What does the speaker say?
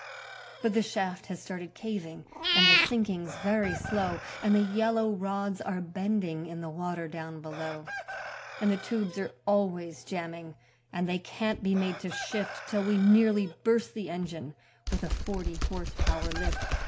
But the shaft has started caving and the sinking's very slow, And the yellow rods are bending in the water down below, And the tubes are always jamming and they can't be made to shift Till we nearly burst the engine with a forty horse power lift.